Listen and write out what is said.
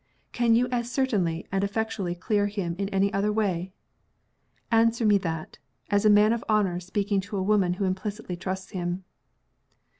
Can you as certainly and effectually clear him in any other way? Answer me that, as a man of honor speaking to a woman who implicitly trusts him!"